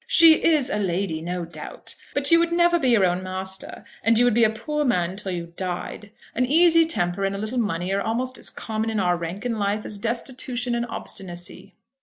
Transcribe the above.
"She is a lady, no doubt; but you would never be your own master, and you would be a poor man till you died. An easy temper and a little money are almost as common in our rank of life as destitution and obstinacy."